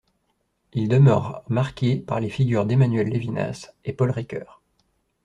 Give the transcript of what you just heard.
Il demeure marqué par les figures d'Emmanuel Levinas et Paul Ricœur.